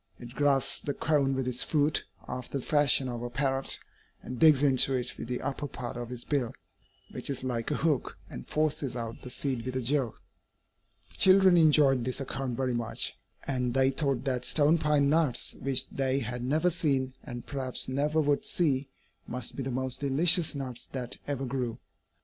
It grasps the cone with its foot, after the fashion of a parrot, and digs into it with the upper part of its bill, which is like a hook, and forces out the seed with a jerk.'" [Illustration: PINE CONE (Pinus Sylvestris.)] The children enjoyed this account very much, and they thought that stone pine nuts which they had never seen, and perhaps never would see must be the most delicious nuts that ever grew.